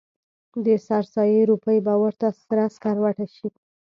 د سر سایې روپۍ به ورته سره سکروټه شي.